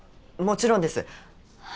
もちろんです。